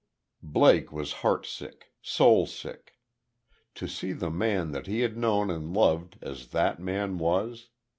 Blake was heart sick soul sick. To see the man that he had known and loved as that man was!